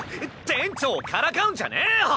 店長をからかうんじゃねぇよ！